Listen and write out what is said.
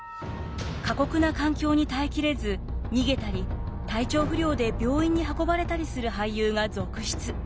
過酷な環境に耐え切れず逃げたり体調不良で病院に運ばれたりする俳優が続出。